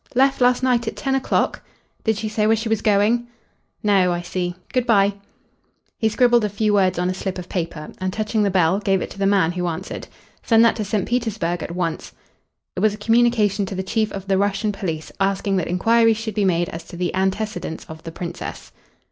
Left last night at ten o'clock? Did she say where she was going? No, I see. Good bye." He scribbled a few words on a slip of paper, and touching the bell gave it to the man who answered. "Send that to St. Petersburg at once." It was a communication to the Chief of the Russian police, asking that inquiries should be made as to the antecedents of the Princess.